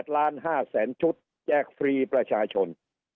๘ล้าน๕แสนชุดแจกฟรีประชาชน